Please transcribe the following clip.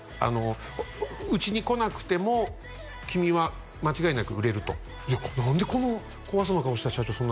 あのうちに来なくても君は間違いなく売れると何でこの怖そうな顔した社長